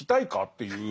っていう。